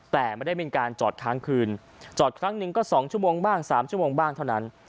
แต่ไม่ได้มีการจอดค้างคืนจอดครั้งหนึ่งก็๒ชั่วโมงบ้าง๓ชั่วโมงบ้างเท่านั้น